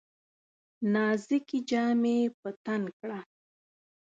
نازکي جامې په تن کړه !